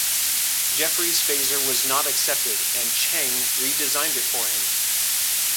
Jefferies' phaser was not accepted, and Chang redesigned it for him.